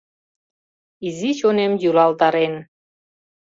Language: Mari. Изи чонем йӱлалтарен